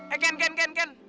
eh ken ken ken ken